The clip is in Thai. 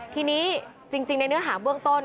ทีนี้จริงในเนื้อหาเบื้องต้น